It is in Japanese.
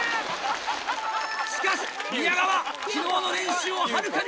しかし宮川昨日の練習をはるかに超え